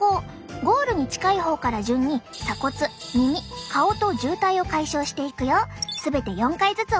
ゴールに近い方から順に鎖骨耳顔と渋滞を解消していくよ。